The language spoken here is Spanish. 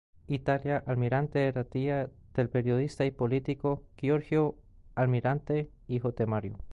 Italia Almirante era tía del periodista y político Giorgio Almirante, hijo de Mario.